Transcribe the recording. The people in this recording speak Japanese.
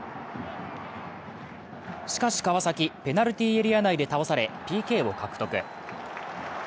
しかし川崎、ペナルティエリア内で倒されＰＫを獲得。